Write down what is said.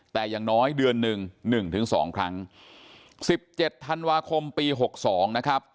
แต่อย่างน้อยเดือนหนึ่ง๑๒ครั้ง๑๗ธันวาคมปี๖๒นะครับ